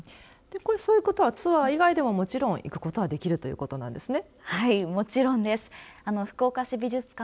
これ、そういうことはツアー以外でももちろん行くことができるということなんですね。